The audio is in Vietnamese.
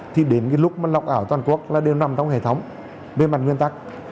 thì đến cái lúc mà lọc ảo toàn quốc là đều nằm trong hệ thống về mặt nguyên tắc